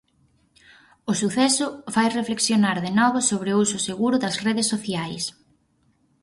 O suceso fai reflexionar de novo sobre o uso seguro das redes sociais.